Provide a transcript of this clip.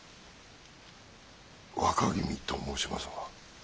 若君と申しますのは？